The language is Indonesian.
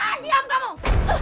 ah diam kamu